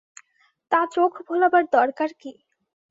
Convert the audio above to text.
তা চোখ ভোলাবার দরকার কী।